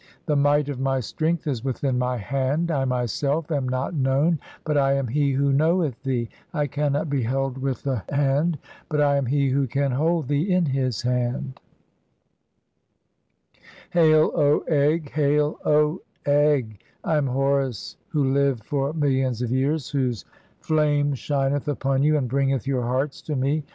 The might "of my strength is within my hand. I myself am not known, "but I am he who knoweth thee. (26) I cannot be held with the "hand, but I am he who can hold thee in his hand. Hail, O Egg! "Hail, O Egg ! I am Horus who live for millions of years, whose 9 6 THE CHAPTERS OF COMING FORTH BY DAY. "flame shineth upon you (27) and bringeth your hearts to me.